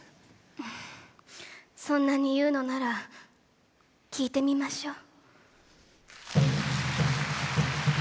そんなに言うのなら聴いてみましょう。